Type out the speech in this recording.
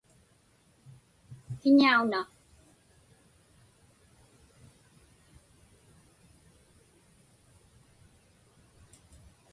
Kiñauna?